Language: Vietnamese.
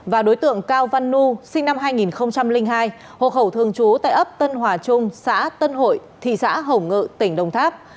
và đối tượng cao văn nu sinh năm hai nghìn hai hộ khẩu thường trú tại ấp tân hòa trung xã tân hội thị xã hồng ngự tỉnh đồng tháp